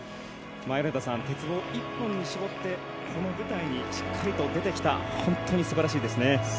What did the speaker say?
米田さん、鉄棒一本に絞ってこの舞台にしっかりと出てきた本当にすばらしいですね。